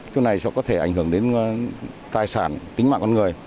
chỗ này có thể ảnh hưởng đến tài sản tính mạng con người